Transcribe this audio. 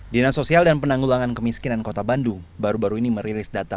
dinas sosial dan penanggulangan kemiskinan kota bandung baru baru ini merilis data